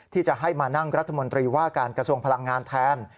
ที่จะให้มานั่งรัฐมนตรีว่าการกระทรวงพลังงานแทน